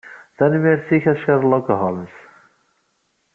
Tanemmirt-ik a Sherlock Holmes.